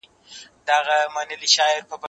که وخت وي، پلان جوړوم،